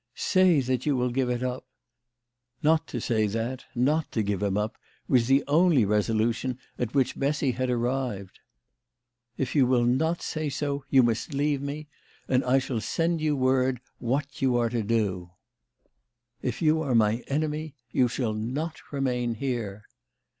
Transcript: " Say that you will give it up." Not to say that, not to grge him up, was the only reso lution at which Bessy had arrived. "If you will not say so, you must leave me, and I shall send you word 136 THE LADY OF LAUNAY. what you are to do. If you are my enemy you shall not remain here."